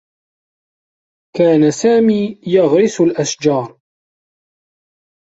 كان سامي يغرس الأشجار.